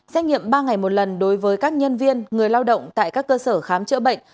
xét nghiệm ba ngày một lần đối với các nhân viên người lao động tại các cơ sở khám chữa bệnh